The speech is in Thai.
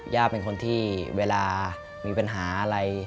ย่าเป็นคนที่เวลามีปัญหาอะไร